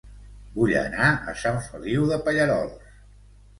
Vull anar a Sant Feliu de Pallerols